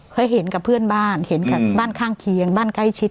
เคยเห็นกับเพื่อนบ้านเห็นกับบ้านข้างเคียงบ้านใกล้ชิด